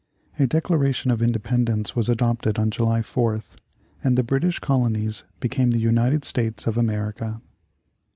A declaration of independence was adopted on July 4th, and the British colonies became the United States of America.